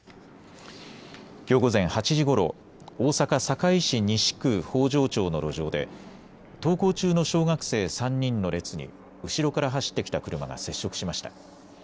きょう午前８時ごろ大阪堺市西区北条町の路上で登校中の小学生３人の列に後ろから走ってきた車が接触しました。